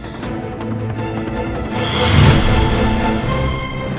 keren dan melukis